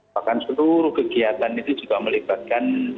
bahkan seluruh kegiatan itu juga melibatkan